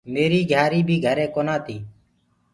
ميريٚ گھِياريٚ بيٚ گھري ڪونآ تيٚ